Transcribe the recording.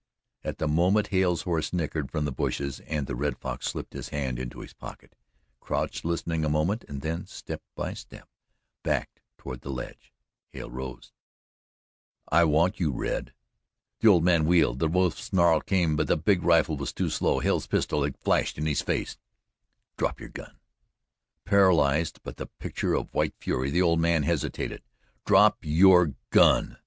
At the moment Hale's horse nickered from the bushes, and the Red Fox slipped his hand into his pocket, crouched listening a moment, and then, step by step, backed toward the ledge. Hale rose: "I want you, Red!" The old man wheeled, the wolf's snarl came, but the big rifle was too slow Hale's pistol had flashed in his face. "Drop your gun!" Paralyzed, but the picture of white fury, the old man hesitated. "Drop your gun!"